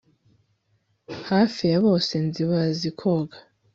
Hafi ya bose nzi bazi koga